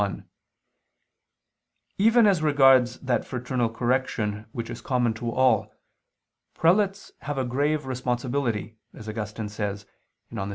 1: Even as regards that fraternal correction which is common to all, prelates have a grave responsibility, as Augustine says (De Civ.